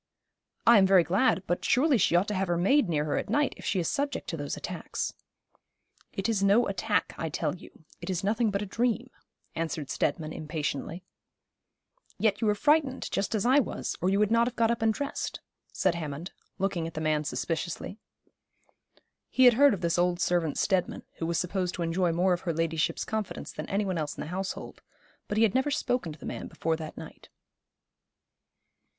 'I am very glad; but surely she ought to have her maid near her at night, if she is subject to those attacks.' 'It is no attack, I tell you. It is nothing but a dream,' answered Steadman impatiently. 'Yet you were frightened, just as I was, or you would not have got up and dressed,' said Hammond, looking at the man suspiciously. He had heard of this old servant Steadman, who was supposed to enjoy more of her ladyship's confidence than any one else in the household; but he had never spoken to the man before that night.